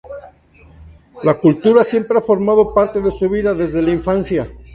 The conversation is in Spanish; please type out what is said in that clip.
La cultura siempre ha formado parte de su vida, desde la infancia.